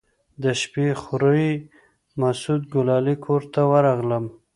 د شپې خوريي مسعود ګلالي کور ته ورغلم.